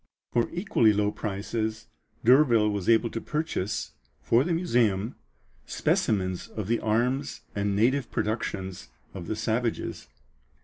For equally low prices D'Urville was able to purchase, for the museum, specimens of the arms and native productions of the savages.